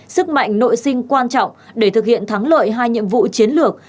sức mạnh nội sinh quan trọng để thực hiện thắng lợi hai nhiệm vụ chiến lược